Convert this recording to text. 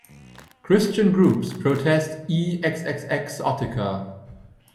Christian groups protest eXXXotica.